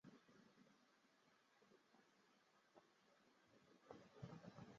因为我那时候，扛两百斤麦子，十里山路不换肩的。